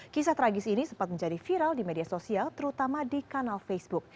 kisah tragis ini sempat menjadi viral di media sosial terutama di kanal facebook